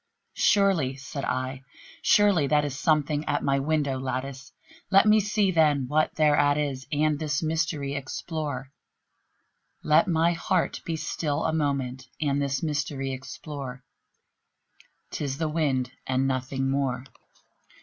"Surely," said I, "surely that is something at my window lattice; Let me see, then, what thereat is, and this mystery explore Let my heart be still a moment, and this mystery explore; 'Tis the wind and nothing more."